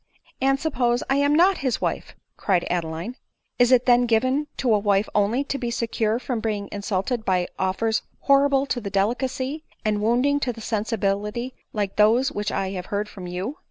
" And suppose I am not his wife," cried Adeline, " is 138 ADELINE MOWBRAY. it then given to a wife only to be secure from being in sulted by offers horrible to the delicacy, and wounding to the sensibility, like those which I have heard from you